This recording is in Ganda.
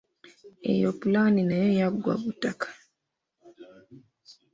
Eyo pulani nayo yagwa butaka.